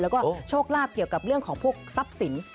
แล้วก็โชคลาภเกี่ยวกับเรื่องของพวกทรัพย์สิน